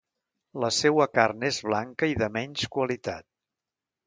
La seua carn és blanca i de menys qualitat.